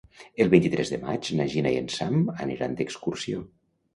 El vint-i-tres de maig na Gina i en Sam aniran d'excursió.